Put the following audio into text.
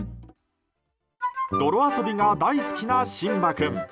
泥遊びが大好きなシンバ君。